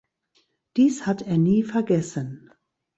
Dies hat er nie vergessen.